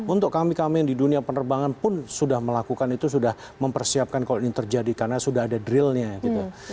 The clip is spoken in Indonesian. untuk kami kami yang di dunia penerbangan pun sudah melakukan itu sudah mempersiapkan kalau ini terjadi karena sudah ada drillnya gitu